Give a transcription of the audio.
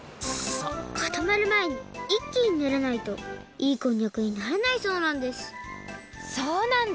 かたまるまえにいっきにねらないといいこんにゃくにならないそうなんですそうなんだ！